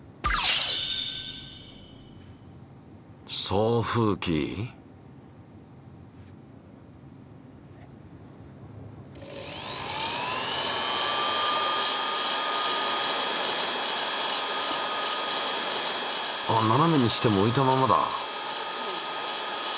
送風機？あっななめにしても浮いたままだ！